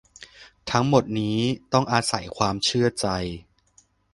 ทั้งหมดนี้ต้องอาศัยความเชื่อใจ